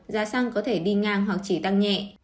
giá xăng có thể đi ngang hoặc chỉ tăng nhẹ